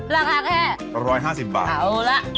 ราคาแค่๑๕๐บาท